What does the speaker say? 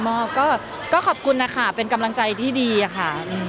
มอบก็ขอบคุณนะคะเป็นกำลังใจที่ดีอะค่ะ